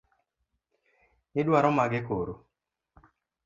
Idwaro mage koro?